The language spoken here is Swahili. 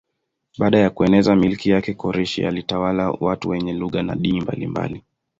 Baada ya kueneza milki yake Koreshi alitawala watu wenye lugha na dini mbalimbali.